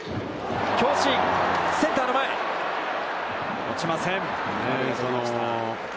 強振、センターの前、落ちません。